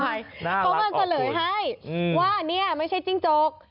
เขามาเฉลยให้ว่านี่ไม่ใช่จิ้งจก